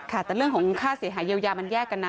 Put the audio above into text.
ค่ะแต่เรื่องของค่าเสียหายเยียวยามันแยกกันนะ